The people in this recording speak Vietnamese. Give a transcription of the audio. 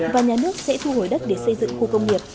và nhà nước sẽ thu hồi đất để xây dựng khu công nghiệp